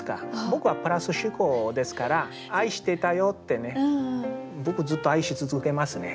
僕はプラス思考ですから「愛してたよ」ってね僕ずっと愛し続けますね。